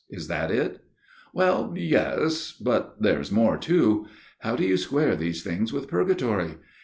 Is that it ?"" Well, yes ; but there is more too. How do you square these things with purgatory